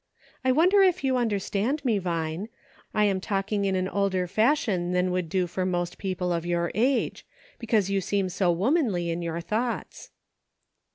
I wonder if you understand me, Vine ; I am talking in an older fashion than would do for most people of your age, because you seem so womanly in your thoughts."